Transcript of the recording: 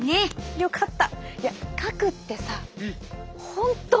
よかった！